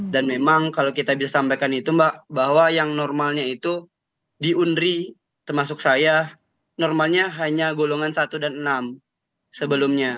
dan memang kalau kita bisa sampaikan itu mbak bahwa yang normalnya itu di unri termasuk saya normalnya hanya golongan satu dan enam sebelumnya